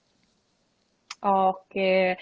nah ini dokter